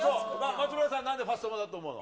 松村さん、なんでファッサマだと思うの？